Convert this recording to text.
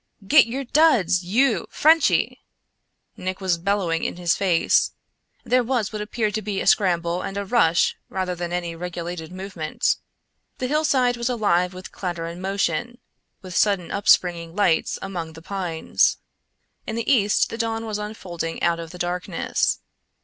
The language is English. "Git your duds! you! Frenchy!" Nick was bellowing in his face. There was what appeared to be a scramble and a rush rather than any regulated movement. The hill side was alive with clatter and motion; with sudden up springing lights among the pines. In the east the dawn was unfolding out of the darkness.